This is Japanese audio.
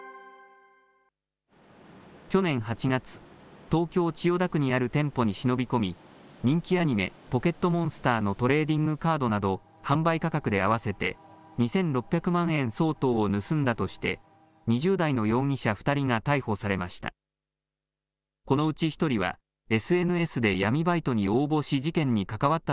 去年８月、東京・千代田区にある店舗に忍び込み、人気アニメ、ポケットモンスターのトレーディングカードなど、販売価格で合わせて２６００万円相当を盗んだとして、２０代の容疑者２人が逮捕されました。